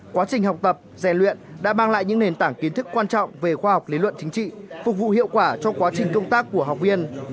quá trình học tập rèn luyện đã mang lại những nền tảng kiến thức quan trọng về khoa học lý luận chính trị phục vụ hiệu quả cho quá trình công tác của học viên